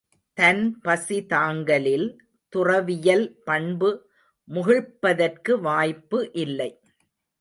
தன் பசி தாங்கலில் துறவியல் பண்பு முகிழ்ப்பதற்கு வாய்ப்பு இல்லை.